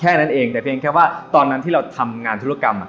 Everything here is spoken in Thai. แค่นั้นเองแต่เพียงแค่ว่าตอนนั้นที่เราทำงานธุรกรรม